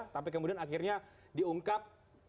tapi kemudian akhirnya diungkap